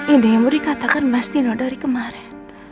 ini yang berikatakan mas dino dari kemarin